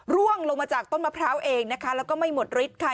ร่วงลงมาจากต้นมะพร้าวเองนะคะแล้วก็ไม่หมดฤทธิ์ค่ะ